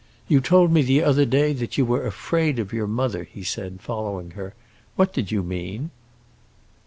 "You told me the other day that you were afraid of your mother," he said, following her. "What did you mean?"